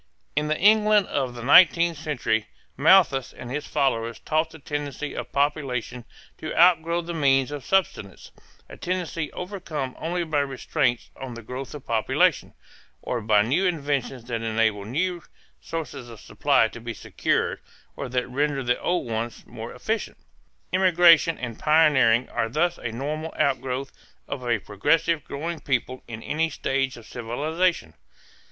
In the England of the nineteenth century Malthus and his followers taught the tendency of population to outgrow the means of subsistence a tendency overcome only by restraints on the growth of population, or by new inventions that enable new sources of supply to be secured or that render the old ones more efficient. Emigration and pioneering are thus a normal outgrowth of a progressive growing people in any stage of civilization.